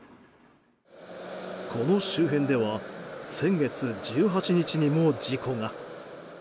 この周辺では先月１８日にも事故が。